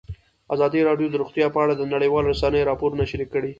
ازادي راډیو د روغتیا په اړه د نړیوالو رسنیو راپورونه شریک کړي.